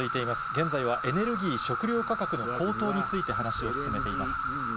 現在はエネルギー、食料価格の高騰について、話を進めています。